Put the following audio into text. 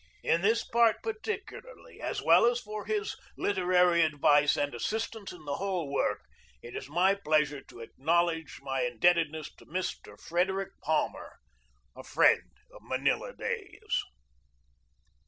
In this part particularly, as well as for his literary advice and assistance in the whole work, it is a pleasure to ac knowledge my indebtedness to Mr. Frederick Palmer, a friend of Manila days.